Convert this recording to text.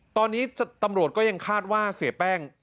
ตอนนี้ตำรวจก็ยังคาดว่าเสียแป้ง